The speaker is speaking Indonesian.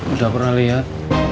udah pernah liat